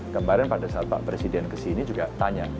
kemarin pada saat pak presiden kesini juga tanya